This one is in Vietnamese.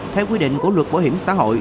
theo quy định của luật bảo hiểm xã hội